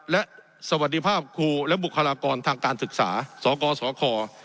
และสวัสดีภาพครูและบุคลากรทางการศึกษาสกสค